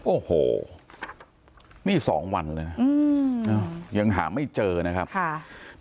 โอ้โหนี่สองวันเลยนะยังหาไม่เจอนะครับค่ะ